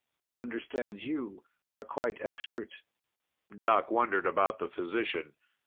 I understand you are quite expert." Doc wondered about the physician.